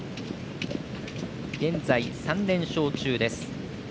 現在３連勝中です。